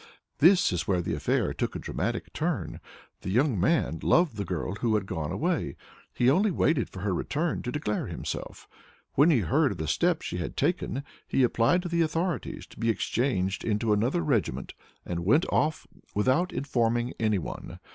This is where the affair took a dramatic turn. The young man loved the girl who had gone away; he only waited for her return to declare himself. When he heard of the step she had taken, he applied to the authorities to be exchanged into another regiment, and went off without informing any one.